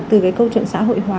từ cái câu chuyện xã hội hóa